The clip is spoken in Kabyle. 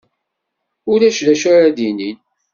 Ulac d acu ara d-inin?